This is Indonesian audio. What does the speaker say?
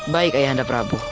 baik ayahanda prabu